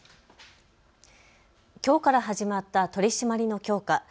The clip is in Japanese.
きょうから始まった取締りの強化。